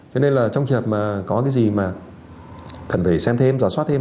cho nên là trong trường hợp mà có cái gì mà cần phải xem thêm giả soát thêm